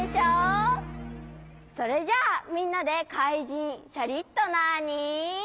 それじゃあみんなでかいじんシャリットナに。